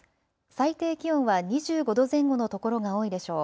最低気温は２５度前後の所が多いでしょう。